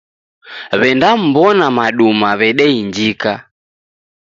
W'endaw'ona maduma w'edeinjika.